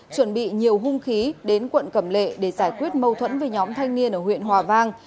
chuẩn bị nhiều hung khí đến quận cẩm lệ để giải quyết mâu thuẫn với nhóm thanh niên ở huyện hòa vang